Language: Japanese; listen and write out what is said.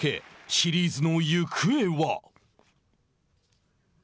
シリーズの行方は。